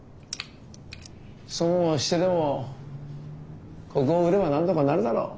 損をしてでもここを売ればなんとかなるだろう。